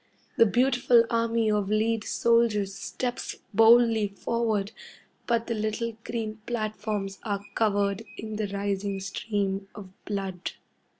The beautiful army of lead soldiers steps boldly forward, but the little green platforms are covered in the rising stream of blood.